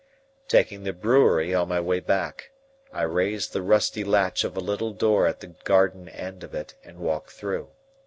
Taking the brewery on my way back, I raised the rusty latch of a little door at the garden end of it, and walked through.